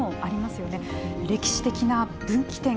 歴史的な分岐点